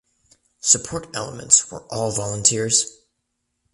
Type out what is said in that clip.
Support elements were all volunteers.